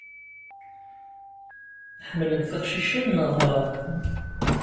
Tḥemmlemt tiqcicin, naɣ?